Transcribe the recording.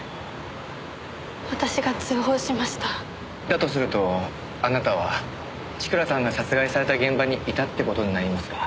だとするとあなたは千倉さんが殺害された現場にいたって事になりますが。